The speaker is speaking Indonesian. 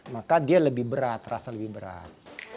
maka dia lebih berat rasa lebih berat